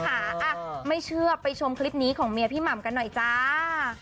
อ่ะไม่เชื่อไปชมคลิปนี้ของเมียพี่หม่ำกันหน่อยจ้า